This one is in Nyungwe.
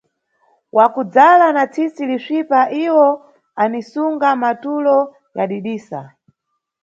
Wakudzala na tsisi lisvipa, iwo anisunga matulo yadidisa.